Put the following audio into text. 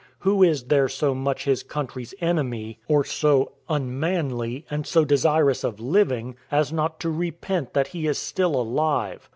Who is there so much his country's enemy, or so unmanly, and so desirous of living, as not to repent that he is still alive?